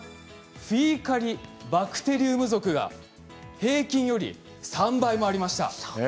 フィーカリバクテリウム属が平均より３倍もありました。